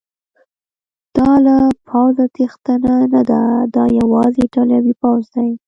دا له پوځه تیښته نه ده، دا یوازې ایټالوي پوځ دی.